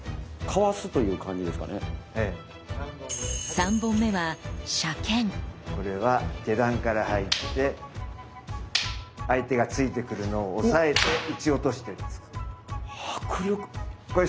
３本目はこれは下段から入って相手が突いてくるのを押さえて打ち落としてるんです。